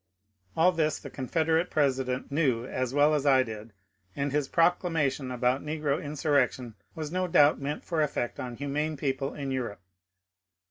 All this the Confederate president knew as well as I did, and his proclamation about negro insurrection was no doubt meant for effect on humane people in Europe.